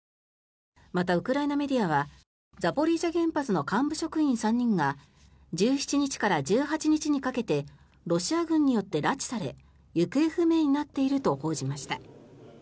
またウクライナメディアはザポリージャ原発の幹部職員３人が１７日から１８日にかけてロシア軍によって拉致され行方不明になっていると報じました。